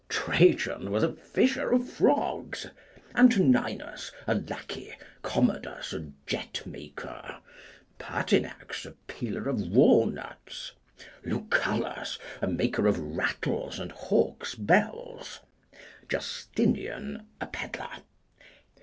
Trajan was a fisher of frogs. Antoninus, a lackey. Commodus, a jet maker. Pertinax, a peeler of walnuts. Lucullus, a maker of rattles and hawks' bells. Justinian, a pedlar.